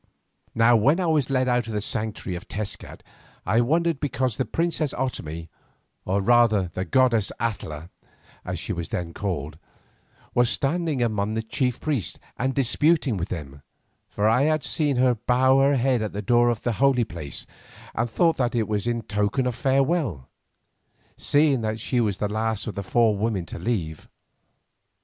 Now when I was led out of the sanctuary of Tezcat, I wondered because the princess Otomie, or rather the goddess Atla as she was then called, was standing among the chief priests and disputing with them, for I had seen her bow her head at the door of the holy place, and thought that it was in token of farewell, seeing that she was the last of the four women to leave me.